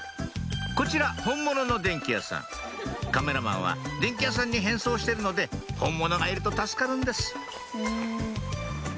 こちら本物の電気屋さんカメラマンは電気屋さんに変装してるので本物がいると助かるんです